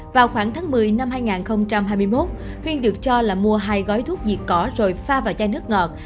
vào khoảng tháng một mươi năm hai nghìn hai mươi một huyên được cho là mua hai gói thuốc diệt cỏ rồi pha vào chai nước ngọt